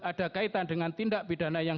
ada kaitan dengan tindak pidana yang